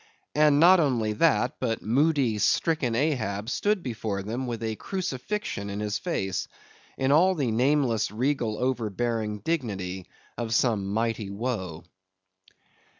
And not only that, but moody stricken Ahab stood before them with a crucifixion in his face; in all the nameless regal overbearing dignity of some mighty woe.